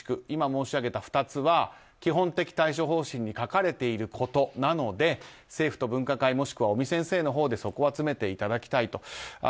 今、申し上げた２つは基本的対処方針に書かれていることなので政府と分科会もしくは尾身先生のほうでそこは詰めていただきたいと。